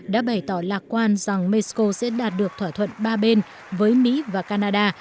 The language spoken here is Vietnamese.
đã bày tỏ lạc quan rằng mexico sẽ đạt được thỏa thuận ba bên với mỹ và canada